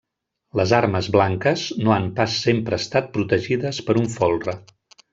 Les armes blanques no han pas sempre estat protegides per un folre.